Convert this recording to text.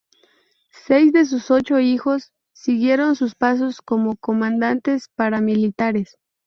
Seis de sus ocho hijos siguieron sus pasos como comandantes paramilitares.